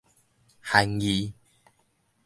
韓字